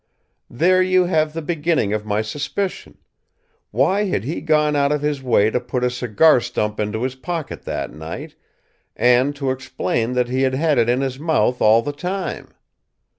"There you have the beginning of my suspicion. Why had he gone out of his way to put a cigar stump into his pocket that night, and to explain that he had had it in his mouth all the time?